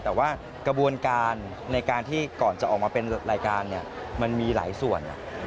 แต่ว่ากระบวนการในการที่ก่อนจะออกมาเป็นรายการมันมีหลายส่วน